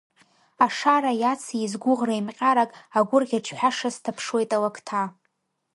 Ашара иациз гәыӷра еимҟьарак, агәырӷьаҿҳәаша, сҭаԥшуеит алакҭа.